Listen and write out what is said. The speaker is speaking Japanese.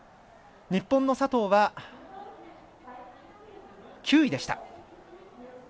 日本の佐藤は９位でした。